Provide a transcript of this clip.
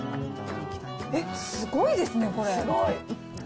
えっ、すごいですね、これ。